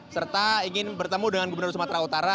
serta ingin bertemu dengan gubernur sumatera utara